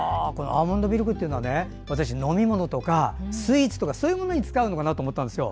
アーモンドミルクって私、飲み物とかスイーツとかそういうのに使うと思ったんですよ。